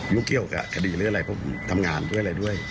เกี่ยวกับคดีหรืออะไรเพราะผมทำงานด้วยอะไรด้วย